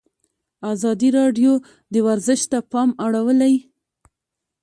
ازادي راډیو د ورزش ته پام اړولی.